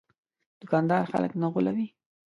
دوکاندار خلک نه غولوي.